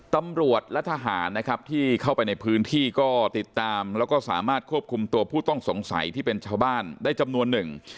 ตำรวจและทหารนะครับที่เข้าไปในพื้นที่ก็ติดตามแล้วก็สามารถควบคุมตัวผู้ต้องสงสัยที่เป็นชาวบ้านได้จำนวนหนึ่ง